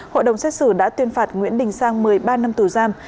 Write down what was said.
hội đồng xét xử đã tuyên phạt nguyễn đình sang một mươi ba năm tù giam